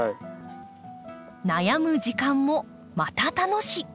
悩む時間もまた楽し！